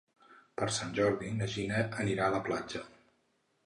Per Sant Jordi na Gina anirà a la platja.